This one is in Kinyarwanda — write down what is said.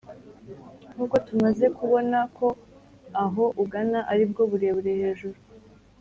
nkuko tumaze kubona ko aho ugana aribwo burebure hejuru ...